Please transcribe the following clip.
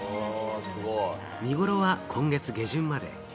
見ごろは今月下旬まで。